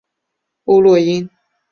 欧络因。